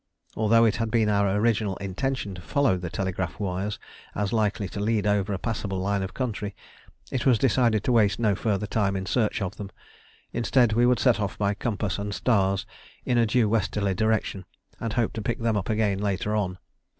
Although it had been our original intention to follow the telegraph wires as likely to lead over a passable line of country, it was decided to waste no further time in a search for them. Instead we would set off by compass and stars in a due westerly direction, and hope to pick them up again later on.